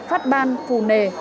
phát ban phù nề